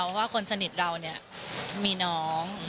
เพราะว่าคนสนิทเราเนี่ยมีน้อง